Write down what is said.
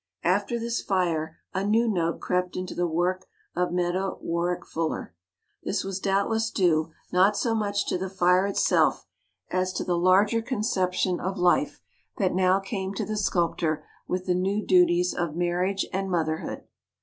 After this fire a new note crept into the work of Meta Warrick Fuller. This was doubtless due not so much to the fire itself as to the larger conception of life that now came to the sculptor with the new duties of marriage and motherhood.